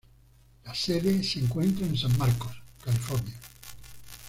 La sede se encuentra en San Marcos, California.